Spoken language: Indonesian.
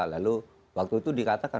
lalu waktu itu dikatakan